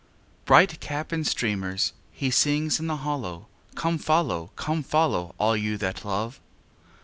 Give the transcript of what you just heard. X Bright cap and streamers, He sings in the hollow: Come follow, come follow, All you that love.